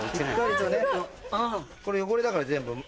これ汚れだから全部。